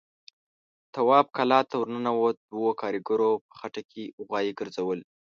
تواب کلا ته ور ننوت، دوو کاريګرو په خټه کې غوايي ګرځول.